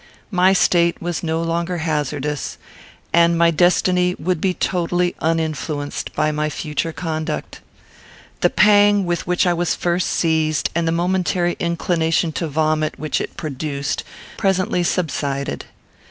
My state was no longer hazardous; and my destiny would be totally uninfluenced by my future conduct. The pang with which I was first seized, and the momentary inclination to vomit, which it produced, presently subsided.